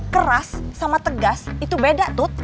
keras sama tegas itu beda tuh